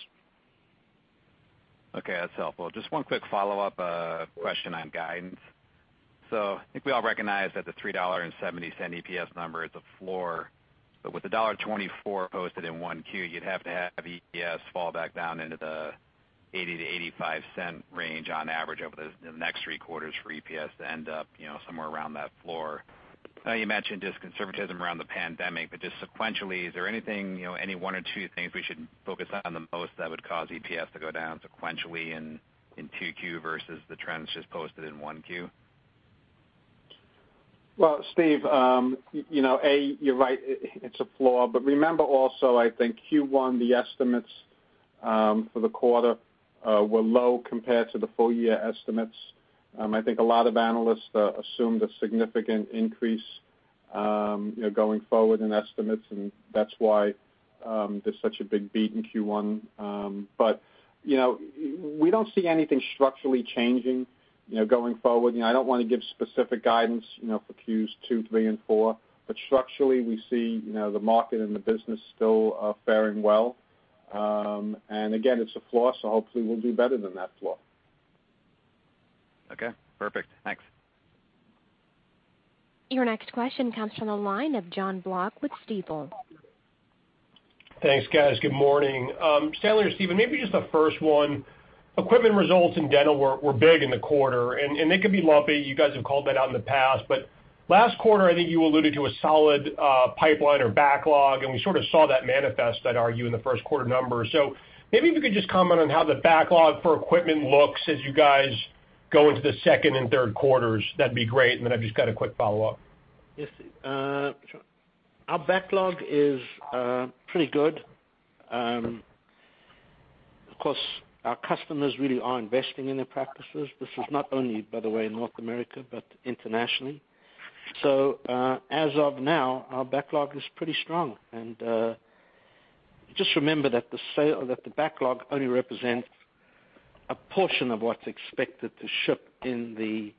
Okay, that's helpful. Just one quick follow-up question on guidance. I think we all recognize that the $3.70 EPS number is a floor, with the $1.24 posted in 1Q, you'd have to have EPS fall back down into the $0.80-$0.85 range on average over the next three quarters for EPS to end up somewhere around that floor. I know you mentioned just conservatism around the pandemic, just sequentially, is there any one or two things we should focus on the most that would cause EPS to go down sequentially in 2Q versus the trends just posted in 1Q? Well, Steve, you're right. It's a floor. Remember also, I think Q1, the estimates for the quarter were low compared to the full year estimates. I think a lot of analysts assumed a significant increase going forward in estimates, that's why there's such a big beat in Q1. We don't see anything structurally changing, going forward. I don't want to give specific guidance, for Qs two, three, and four, structurally, we see the market and the business still faring well. Again, it's a floor, hopefully we'll do better than that floor. Okay, perfect. Thanks. Your next question comes from the line of Jon Block with Stifel. Thanks, guys. Good morning. Stanley or Steven, maybe just the first one. Equipment results in dental were big in the quarter, they could be lumpy. You guys have called that out in the past. Last quarter, I think you alluded to a solid pipeline or backlog, and we sort of saw that manifest, I'd argue, in the first quarter numbers. Maybe if you could just comment on how the backlog for equipment looks as you guys go into the second and third quarters, that'd be great. Then I've just got a quick follow-up. Yes. Our backlog is pretty good. Of course, our customers really are investing in their practices. This is not only, by the way, in North America, but internationally. As of now, our backlog is pretty strong, and just remember that the backlog only represents a portion of what's expected to ship in the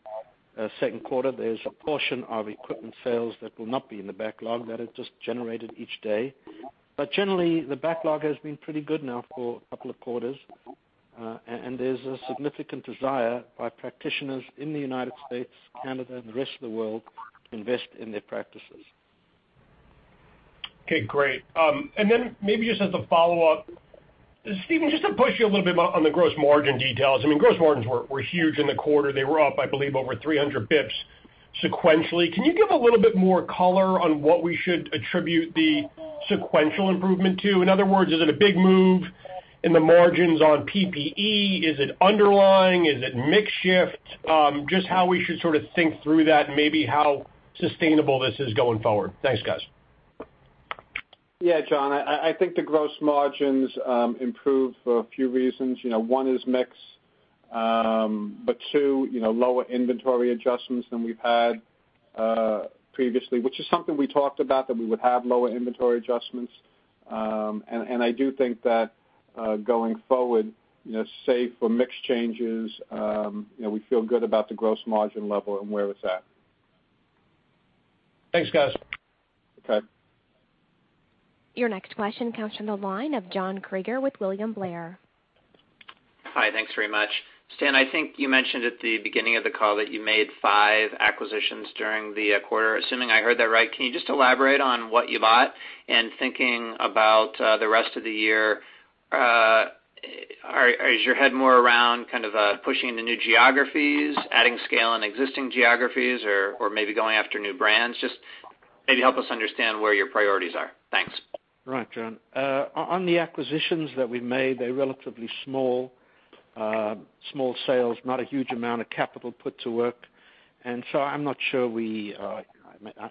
second quarter. There's a portion of equipment sales that will not be in the backlog, that is just generated each day. Generally, the backlog has been pretty good now for a couple of quarters. There's a significant desire by practitioners in the U.S., Canada, and the rest of the world to invest in their practices. Okay, great. Maybe just as a follow-up, Steven, just to push you a little bit on the gross margin details. Gross margins were huge in the quarter. They were up, I believe, over 300 basis points sequentially. Can you give a little bit more color on what we should attribute the sequential improvement to? In other words, is it a big move in the margins on PPE? Is it underlying? Is it mix shift? How we should sort of think through that and maybe how sustainable this is going forward. Thanks, guys. Yeah, Jon, I think the gross margins improved for a few reasons. One is mix, but two, lower inventory adjustments than we've had previously, which is something we talked about, that we would have lower inventory adjustments. I do think that going forward, save for mix changes, we feel good about the gross margin level and where it's at. Thanks, guys. Okay. Your next question comes from the line of John Kreger with William Blair. Hi, thanks very much. Stan, I think you mentioned at the beginning of the call that you made five acquisitions during the quarter. Assuming I heard that right, can you just elaborate on what you bought? Thinking about the rest of the year, is your head more around pushing into new geographies, adding scale in existing geographies or maybe going after new brands? Just maybe help us understand where your priorities are. Thanks. Right, John. On the acquisitions that we made, they're relatively small sales, not a huge amount of capital put to work. I'm not sure, I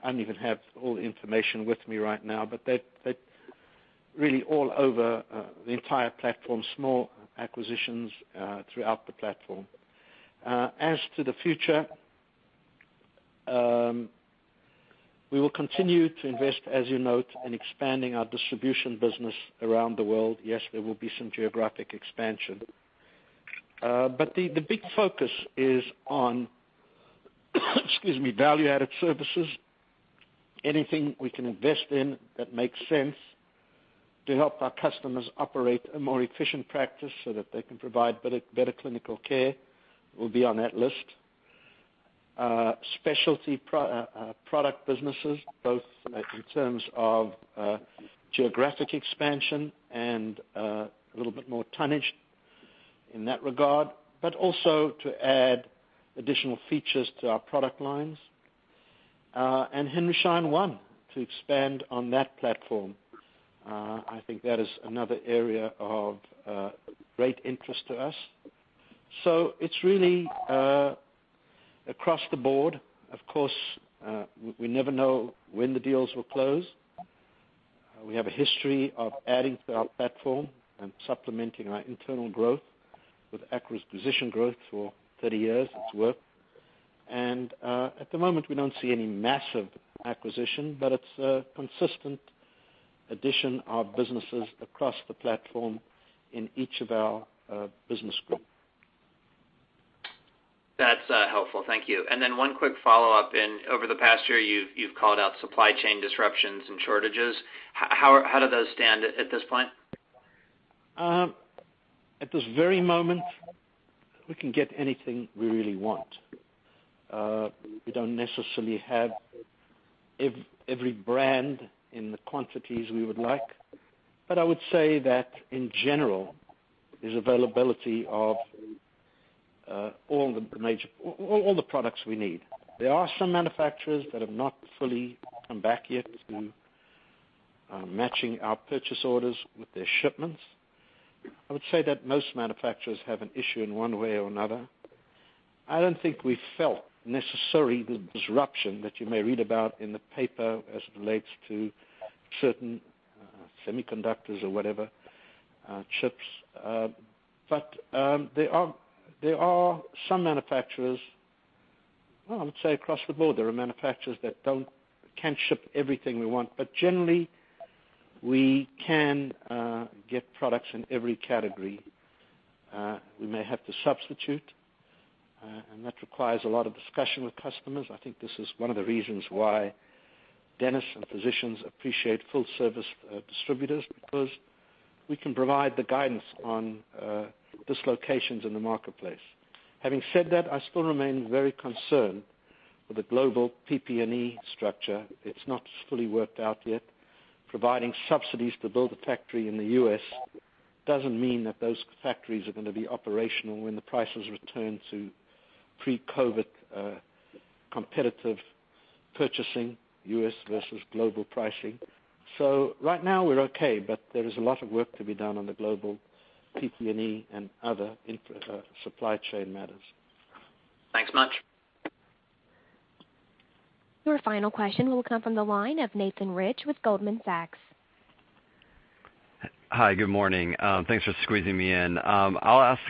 don't even have all the information with me right now, but they're really all over the entire platform, small acquisitions throughout the platform. As to the future, we will continue to invest, as you note, in expanding our distribution business around the world. Yes, there will be some geographic expansion. The big focus is on excuse me, value-added services. Anything we can invest in that makes sense to help our customers operate a more efficient practice so that they can provide better clinical care will be on that list. Specialty product businesses, both in terms of geographic expansion and a little bit more tonnage in that regard, but also to add additional features to our product lines. Henry Schein One, to expand on that platform. I think that is another area of great interest to us. It's really across the board. Of course, we never know when the deals will close. We have a history of adding to our platform and supplementing our internal growth with acquisition growth for 30 years, it's worked. At the moment, we don't see any massive acquisition, but it's a consistent addition of businesses across the platform in each of our business group. That's helpful. Thank you. One quick follow-up. Over the past year, you've called out supply chain disruptions and shortages. How do those stand at this point? At this very moment, we can get anything we really want. We don't necessarily have every brand in the quantities we would like. I would say that, in general, there's availability of all the products we need. There are some manufacturers that have not fully come back yet to matching our purchase orders with their shipments. I would say that most manufacturers have an issue in one way or another. I don't think we felt necessarily the disruption that you may read about in the paper as it relates to certain semiconductors or whatever, chips. There are some manufacturers, I would say across the board, there are manufacturers that can't ship everything we want. Generally, we can get products in every category. We may have to substitute, and that requires a lot of discussion with customers. I think this is one of the reasons why dentists and physicians appreciate full service distributors, because we can provide the guidance on dislocations in the marketplace. Having said that, I still remain very concerned with the global PP&E structure. It's not fully worked out yet. Providing subsidies to build a factory in the U.S. doesn't mean that those factories are going to be operational when the prices return to pre-COVID competitive purchasing, U.S. versus global pricing. Right now we're okay, but there is a lot of work to be done on the global PP&E and other supply chain matters. Thanks much. Your final question will come from the line of Nathan Rich with Goldman Sachs. Hi, good morning. Thanks for squeezing me in. I'll ask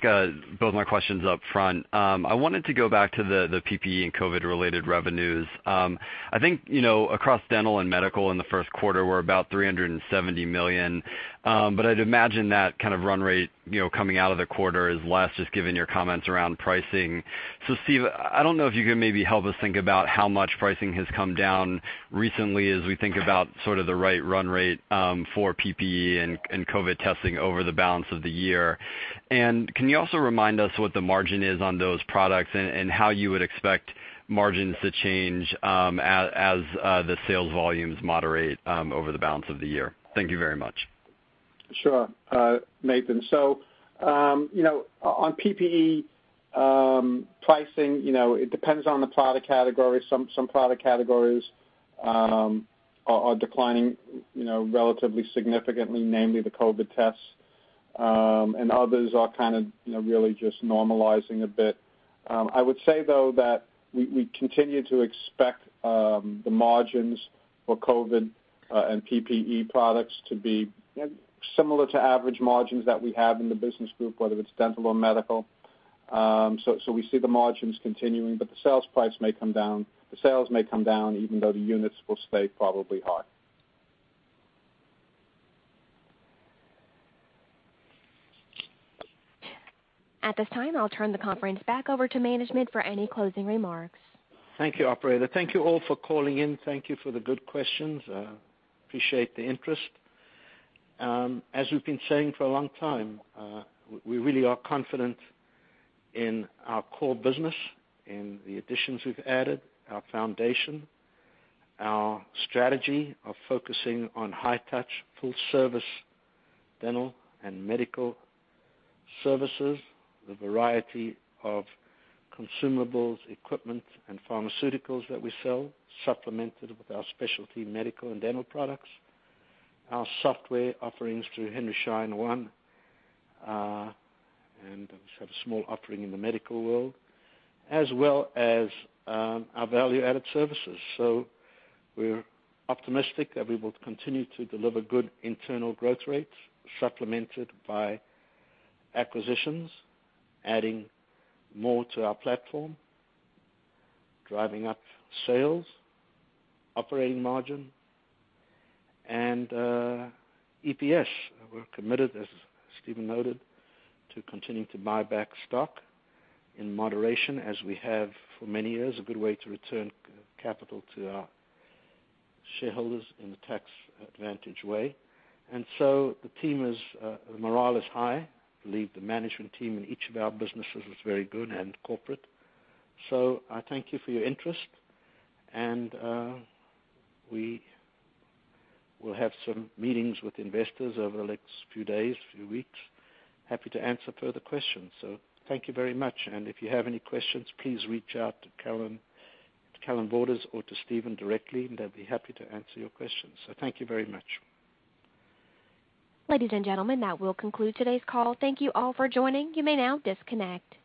both my questions up front. I wanted to go back to the PPE and COVID related revenues. I think, across dental and medical in the first quarter, were about $370 million. I'd imagine that kind of run rate coming out of the quarter is less, just given your comments around pricing. Steve, I don't know if you can maybe help us think about how much pricing has come down recently as we think about sort of the right run rate for PPE and COVID testing over the balance of the year. Can you also remind us what the margin is on those products and how you would expect margins to change as the sales volumes moderate over the balance of the year? Thank you very much. Sure. Nathan, on PPE pricing, it depends on the product category. Some product categories are declining relatively significantly, namely the COVID tests. Others are kind of really just normalizing a bit. I would say, though, that we continue to expect the margins for COVID and PPE products to be similar to average margins that we have in the business group, whether it's dental or medical. We see the margins continuing, but the sales price may come down. The sales may come down even though the units will stay probably high. At this time, I'll turn the conference back over to management for any closing remarks. Thank you, operator. Thank you all for calling in. Thank you for the good questions. Appreciate the interest. As we've been saying for a long time, we really are confident in our core business, in the additions we've added, our foundation, our strategy of focusing on high touch, full service dental and medical services, the variety of consumables, equipment, and pharmaceuticals that we sell, supplemented with our specialty medical and dental products, our software offerings through Henry Schein One, and we have a small offering in the medical world, as well as our value-added services. We're optimistic that we will continue to deliver good internal growth rates, supplemented by acquisitions, adding more to our platform, driving up sales, operating margin, and EPS. We're committed, as Steven noted, to continuing to buy back stock in moderation as we have for many years, a good way to return capital to our shareholders in a tax advantage way. The morale is high. I believe the management team in each of our businesses is very good and corporate. I thank you for your interest, and we will have some meetings with investors over the next few days, few weeks. Happy to answer further questions. Thank you very much. If you have any questions, please reach out to Carolynne Borders or to Steven directly, and they'll be happy to answer your questions. Thank you very much. Ladies and gentlemen, that will conclude today's call. Thank you all for joining. You may now disconnect.